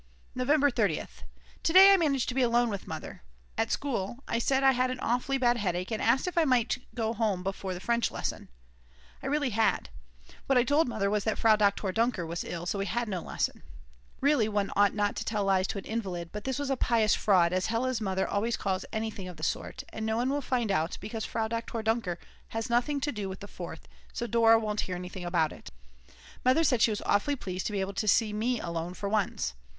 November 30th. To day I managed to be alone with Mother. At school I said I had an awfully bad headache and asked if I might go home before the French lesson; I really had. What I told Mother was that Frau Doktor Dunker was ill, so we had no lesson. Really one ought not to tell lies to an invalid, but this was a pious fraud as Hella's mother always calls anything of the sort, and no one will find out, because Frau Doktor Dunker has nothing to do with the Fourth, so Dora won't hear anything about it. Mother said she was awfully pleased to be able to see me alone for once.